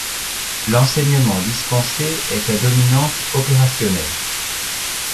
L'enseignement dispensé est à dominante opérationnelle.